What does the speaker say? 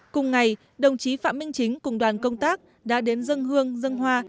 cùng ngày đồng chí phạm minh chính cùng đoàn công tác đã đến dân hương dân hoa